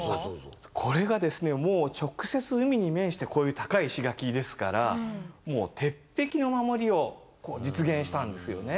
これがですねもう直接海に面してこういう高い石垣ですからもう鉄壁の守りを実現したんですよね。